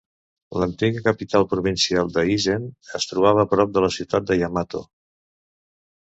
L'antiga capital provincial de Hizen es trobava prop de la ciutat de Yamato.